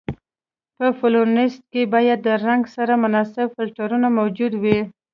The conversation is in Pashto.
په فلورسنټ کې باید د رنګ سره مناسب فلټرونه موجود وي.